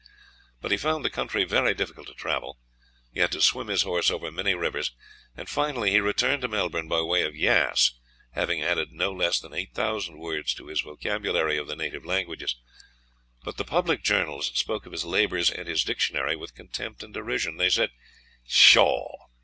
But he found the country very difficult to travel; he had to swim his horse over many rivers, and finally he returned to Melbourne by way of Yass, having added no less than 8,000 words to his vocabulary of the native languages. But the public journals spoke of his labours and his dictionary with contempt and derision. They said, "Pshaw!